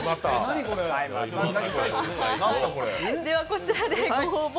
こちらでご応募